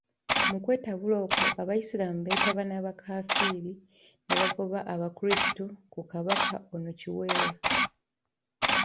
Mu kwetabula okwo, Abaisiraamu beetaba n'abakafiiri ne bagoba Abakristu ku Kabaka ono Kiweewa.